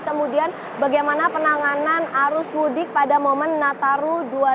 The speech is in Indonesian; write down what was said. kemudian bagaimana penanganan arus mudik pada momen nataru dua ribu dua puluh